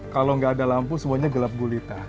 kalau nggak ada lampu semuanya gelap gulita